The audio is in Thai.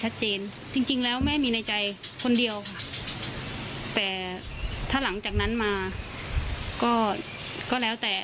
แต่ไม่ใช่คนที่เราคิดไว้